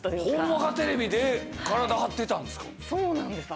『ほんわかテレビ』で体張ってたんですか？